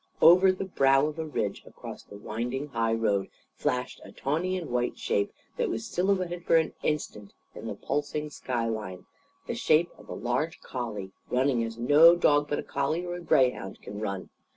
Over the brow of a ridge, across the winding high road, flashed a tawny and white shape that was silhouetted for an instant on the pulsing sky line the shape of a large collie running as no dog but a collie or a greyhound can run.